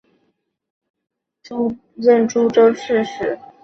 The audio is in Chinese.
崔彦曾在大中后期任诸州刺史。